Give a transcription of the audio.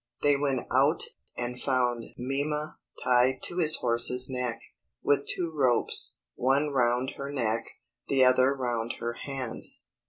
They went out, and found Mima tied to his horse's neck, with two ropes, one round her neck, the other round her hands.